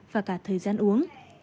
và cả thời gian uống